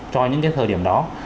cho những cái thời điểm đó